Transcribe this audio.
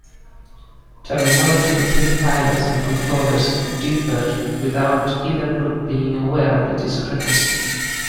Terminology between pilots and controllers differed without either group being aware of the discrepancy.